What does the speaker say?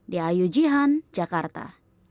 di ayu jihan jakarta